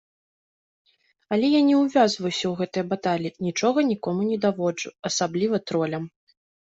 Але я не ўвязваюся ў гэтыя баталіі, нічога нікому не даводжу, асабліва тролям.